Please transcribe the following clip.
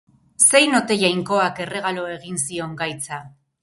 Zein ote jainkoak erregalo egin zion gaitza?